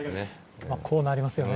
こうなりますよね。